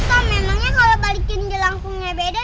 tom memangnya kalau balikin di langkungnya beda